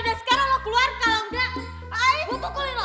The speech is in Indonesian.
dan sekarang lo keluar kalau nggak gue pukulin lo